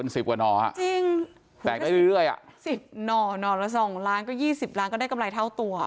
สิบหน่อหน่อล่ะ๒ล้านก็๒๐ล้านก็ได้กำไรเท่าตัว